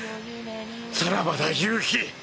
さらばだ夕日。